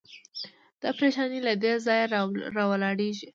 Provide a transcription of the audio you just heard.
دا پرېشاني له دې ځایه راولاړېږي.